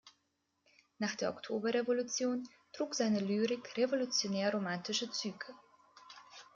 Nach der Oktoberrevolution trug seine Lyrik revolutionär-romantische Züge.